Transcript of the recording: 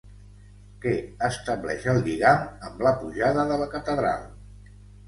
Què estableix el lligam amb la Pujada de la Catedral?